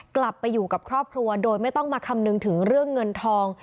กลับไปอยู่กับครอบครัวโดยไม่ต้องมาคำนึงถึงเรื่องเงินทอง